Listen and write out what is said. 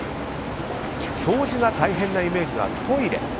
掃除が大変なイメージがあるトイレ。